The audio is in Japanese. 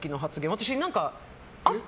私何かあった？